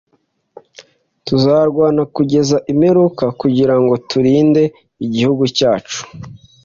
Tuzarwana kugeza imperuka kugirango turinde igihugu cyacu.